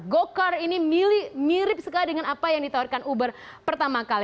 gocar ini mirip sekali dengan apa yang ditawarkan uber pertama kali